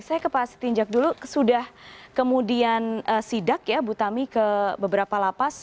saya ke pak setinjak dulu sudah kemudian sidak ya bu tami ke beberapa lapas